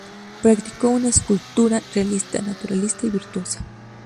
Practicó una escultura realista, naturalista y virtuosa.